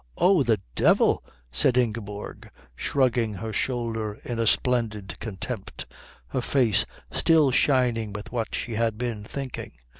"Oh the Devil," said Ingeborg, shrugging her shoulder in a splendid contempt, her face still shining with what she had been thinking.